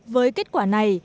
với kết quả này